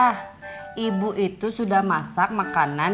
nah ibu itu sudah masak makanan